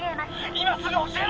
今すぐ教えろ！